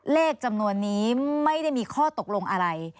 เลขจำนวนนี้ไม่ได้มีข้อตกลงอะไร